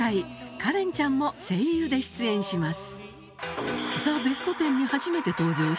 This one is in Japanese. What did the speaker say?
カレンちゃんも声優で出演します